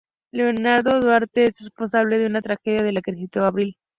Leonardo Duarte es responsable de una tragedia en la que participa Abril.